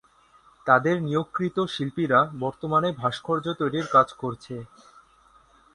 তাদের নিয়োগকৃত শিল্পীরা বর্তমানে ভাস্কর্য তৈরির কাজ করছে।